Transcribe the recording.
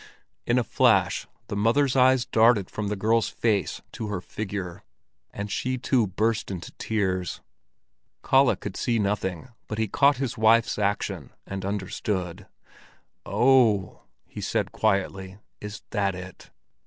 In a flash the mother's eyes darted from the girl's face to her figure, and she too burst into tears. Kalle could see nothing, but he caught his wife's action and understood. "Oh!" he said quietly. "Is that it?"